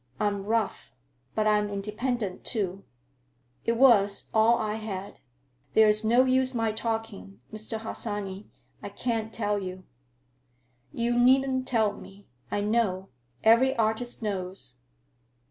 I'm rough. But I'm independent, too. It was—all I had. There is no use my talking, Mr. Harsanyi. I can't tell you." "You needn't tell me. I know. Every artist knows."